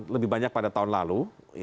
lebih banyak pada tahun lalu